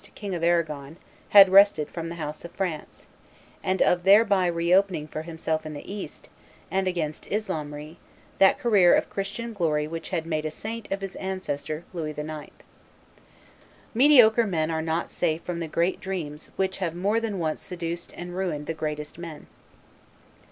King of Arragon, had wrested from the house of France, and of thereby re opening for himself in the East, and against Islamry, that career of Christian glory which had made a saint of his ancestor, Louis IX. Mediocre men are not safe from the great dreams which have more than once seduced and ruined the greatest men.